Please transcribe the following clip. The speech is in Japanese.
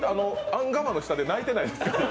アンガマの下で泣いてないですか？